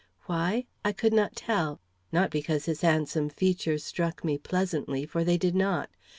Why? I could not tell. Not because his handsome features struck me pleasantly, for they did not.